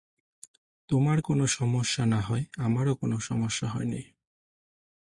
তোমার কোন সমস্যা না হয়, আমারও কোন সমস্যা হয়নি।